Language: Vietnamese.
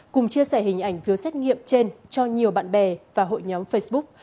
cùng chia sẻ hình ảnh phiếu xét nghiệm trên cho nhiều bạn bè và hội nhóm facebook